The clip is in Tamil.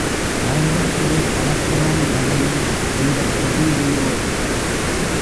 யாரிடத்திலே அளக்கிறான் கதையை இந்தக் கலீலியோ!